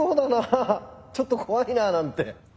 ちょっと怖いななんて。